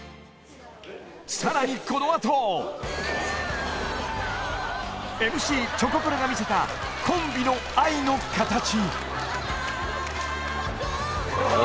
さらにこのあとＭＣチョコプラが見せたコンビの「アイノカタチ」